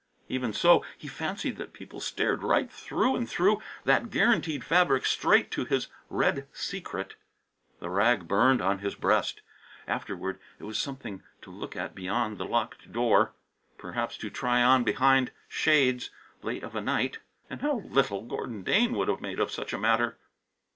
Even so, he fancied that people stared through and through that guaranteed fabric straight to his red secret. The rag burned on his breast. Afterward it was something to look at beyond the locked door; perhaps to try on behind drawn shades, late of a night. And how little Gordon Dane would have made of such a matter!